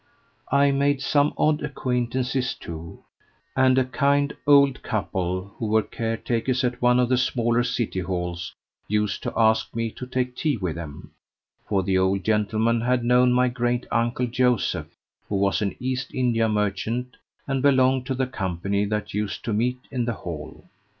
I made some odd acquaintances too; and a kind old couple, who were caretakers at one of the smaller city halls, used to ask me to take tea with them, for the old gentleman had known my great uncle Joseph, who was an East India merchant, and belonged to the company that used to meet in the hall.